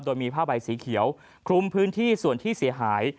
โดยมีผ้าใบสีเขียวคลุมพื้นที่ส่วนที่เสียหาย